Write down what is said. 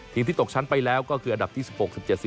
ที่ตกชั้นไปแล้วก็คืออันดับที่๑๖๑๗๔